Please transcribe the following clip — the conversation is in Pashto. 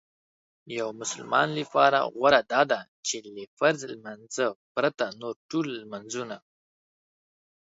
یو مسلمان لپاره غوره داده چې له فرض لمانځه پرته نور ټول لمنځونه